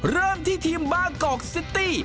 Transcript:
เริ่มที่ทีมบางกอกซิตี้